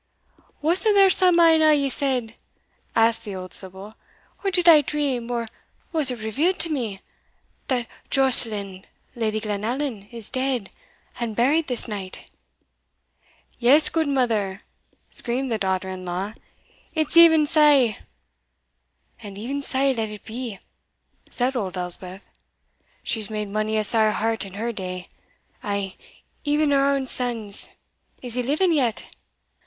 "Wasna there some ane o' ye said," asked the old sibyl, "or did I dream, or was it revealed to me, that Joscelind, Lady Glenallan, is dead, an' buried this night?" "Yes, gudemither," screamed the daughter in law, "it's e'en sae." "And e'en sae let it be," said old Elspeth; "she's made mony a sair heart in her day ay, e'en her ain son's is he living yet?"